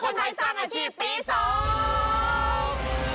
ไทยสร้างอาชีพปีสอง